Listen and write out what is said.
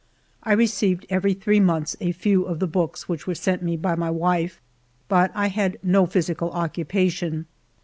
I received every three months a few of the books which were sent me by my wife, but I had no physical occupation.